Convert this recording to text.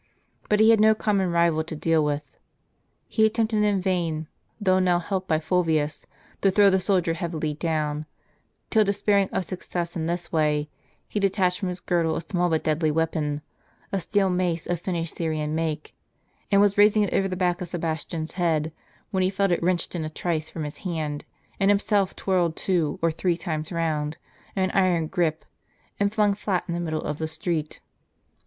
But he had no com mon rival to deal Avith. He attempted in vain, though now helped by Fulvius, to throw the soldier heavily down; till, despairing of success in this way, he detached from his girdle a small but deadly weapon, a steel mace of finished Syrian make, and Avas raising it over the back of Sebas tian's head, when he felt it wrenched in a trice from his hand, and himself twirled two or three times round, in an iron gripe, and flung flat in the middle of the sti eet.